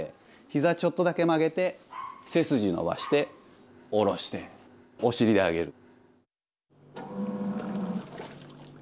ひざちょっとだけ曲げて背筋伸ばして下ろしてお尻で上げる。